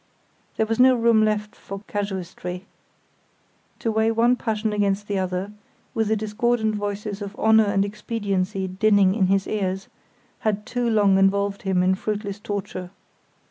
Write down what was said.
There was no room left for casuistry. To weigh one passion against the other, with the discordant voices of honour and expediency dinning in his ears, had too long involved him in fruitless torture.